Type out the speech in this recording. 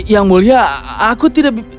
yang mulia aku tidak